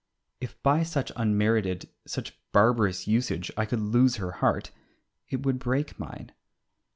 If by such unmerited, such barbarous usage I could lose her heart it would break mine.